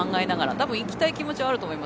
たぶん行きたい気持ちはあると思います。